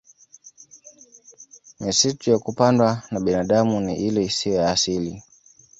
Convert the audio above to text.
Misitu ya kupandwa na binadami ni ile isiyo ya asili